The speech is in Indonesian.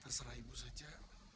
terserah ibu saja